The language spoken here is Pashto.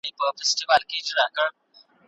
که ښوونه منظم وي، پرمختګ نه درېږي.